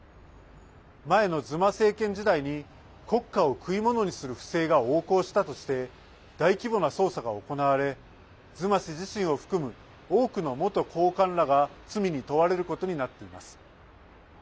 前のズマ政権時代に国家を食い物にする不正が横行したとして大規模な捜査が行われズマ氏自身を含む多くの元高官らが罪に問われることになっています。